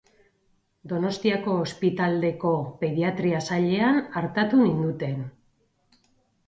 Donostiako ospitaldeko pediatria sailean artatu ninduten.